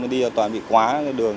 đi là toàn bị quá đường rẽ đi thôi